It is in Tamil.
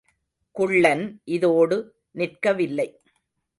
குள்ளன் இதோடு நிற்கவில்லை.